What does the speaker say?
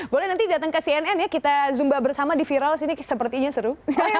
boleh nanti datang ke cnn ya kita zumba bersama di viral sini sepertinya seru